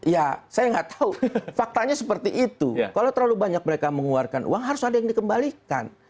ya saya nggak tahu faktanya seperti itu kalau terlalu banyak mereka mengeluarkan uang harus ada yang dikembalikan